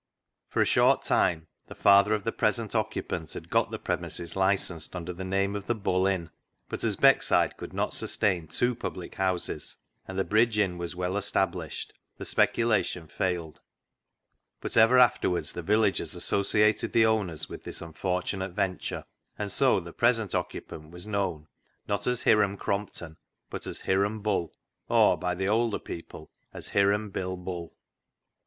For a short time the father ot the present occupant had got the premises licensed, under the name of the Bull Inn ; but as Beckside could not sus tain two public houses, and the Bridge Inn was well established, the speculation failed, but ever afterwards the villagers associated the owners with this unfortunate venture, and so the present occupant was known, not as Hiram Crompton, but as Hiram Bull, or, by the older people, as Hiram Bill Bull.